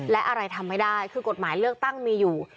และอะไรทำไม่ได้คือกฎหมายเลือกตั้งมีอยู่